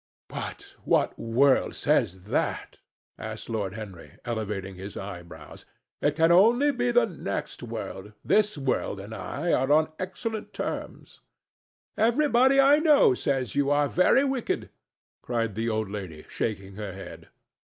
"But what world says that?" asked Lord Henry, elevating his eyebrows. "It can only be the next world. This world and I are on excellent terms." "Everybody I know says you are very wicked," cried the old lady, shaking her head.